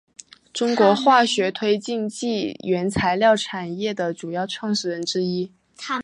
中国化学推进剂原材料产业的主要创始人之一。